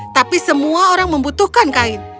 tapi semua orang membutuhkan kain